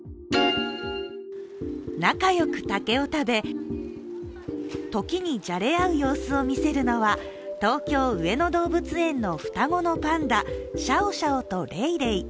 仲良く竹を食べ時にじゃれ合う様子を見せるのは東京・上野動物園の双子のパンダシャオシャオとレイレイ。